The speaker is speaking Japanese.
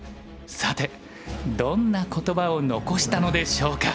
さてどんな言葉を残したのでしょうか？